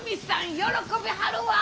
喜びはるわぁ。